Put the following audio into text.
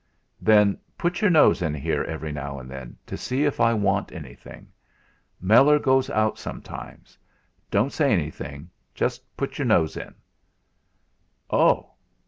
"Then put your nose in here every now and then, to see if I want anything. Meller goes out sometimes. Don't say anything; Just put your nose in." "Oh!